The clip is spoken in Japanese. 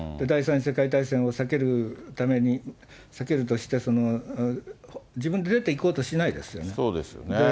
第３次世界大戦を避けるとして、自分で出ていこうとしないですよね。